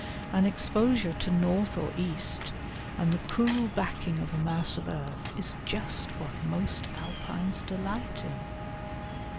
An exposure to north or east and the cool backing of a mass of earth is just what most Alpines delight in.